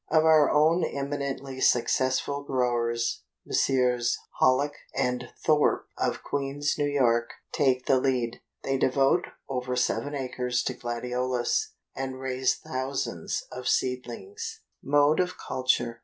Of our own eminently successful growers, Messrs. Hallock and Thorp of Queens, N. Y., take the lead. They devote over seven acres to Gladiolus, and raise thousands of seedlings. MODE OF CULTURE.